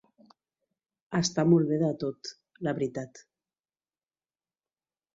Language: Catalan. Està molt bé de tot, la veritat.